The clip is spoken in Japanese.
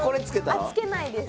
あっつけないです。